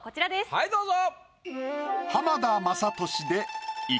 はいどうぞ。